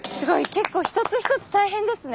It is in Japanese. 結構一つ一つ大変ですね。